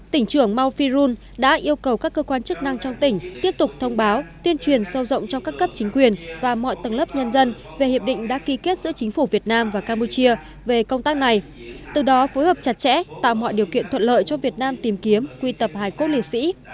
tỉnh trưởng mau phi run đã yêu cầu các cơ quan chức năng trong tỉnh tiếp tục thông báo tuyên truyền sâu rộng trong các cấp chính quyền và mọi tầng lớp nhân dân về hiệp định đã ký kết giữa chính phủ việt nam và campuchia về công tác này từ đó phối hợp chặt chẽ tạo mọi điều kiện thuận lợi cho việt nam tìm kiếm quy tập hải quốc liệt sĩ